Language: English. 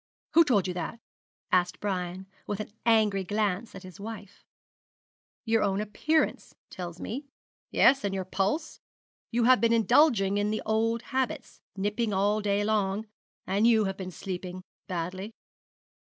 'Who told you that?' asked Brian, with an angry glance at his wife. 'Your own appearance tells me yes, and your pulse. You have been indulging in the old habits nipping all day long; and you have been sleeping badly.'